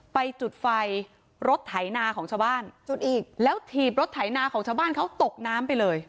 ไปจุดไฟรถไถนาของชาวบ้านจุดอีกแล้วถีบรถไถนาของชาวบ้านเขาตกน้ำไปเลย